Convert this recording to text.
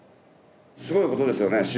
すごいことですよね